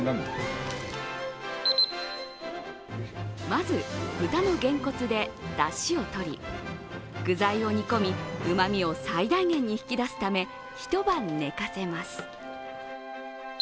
まず豚のげんこつでだしをとり、具材を煮込み、うまみを最大限に引き出すため、一晩寝かせます。